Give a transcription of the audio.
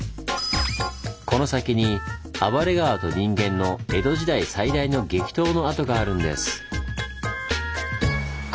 この先に暴れ川と人間の江戸時代最大の激闘の跡があるんです。